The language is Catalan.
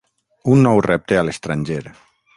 Un nou repte a l'estranger.